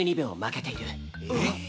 えっ。